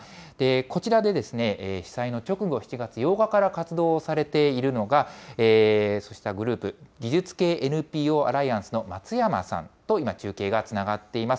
こちらで被災の直後、７月８日から活動をされているのが、そうしたグループ、技術系ＮＰＯアライアンスの松山さんと今、中継がつながっています。